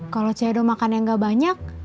kalau cedo makan yang nggak banyak